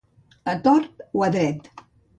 A tort o a dret.